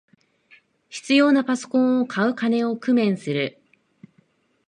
必要なパソコンを買う金を工面する